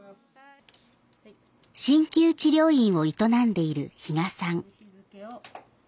しんきゅう治療院を営んでいる比嘉さん。